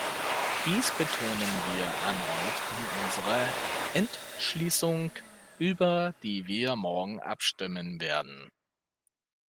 Dies betonen wir erneut in unserer Entschließung, über die wir morgen abstimmen werden.